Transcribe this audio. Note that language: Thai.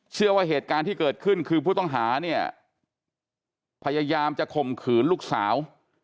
เชื่อว่าเหตุการณ์ที่เกิดขึ้นคือผู้ต้องหาเนี่ยพยายามจะข่มขืนลูกสาว